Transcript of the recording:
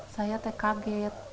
saya teh kaget